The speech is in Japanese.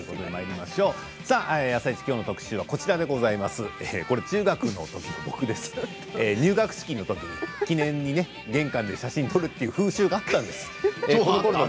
きょうの特集は中学のときの入学式のときの記念にね玄関で写真を撮るという風習があったんです。